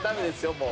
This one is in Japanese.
もう。